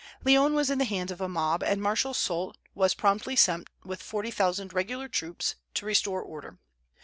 Lyons was in the hands of a mob, and Marshal Soult was promptly sent with forty thousand regular troops to restore order.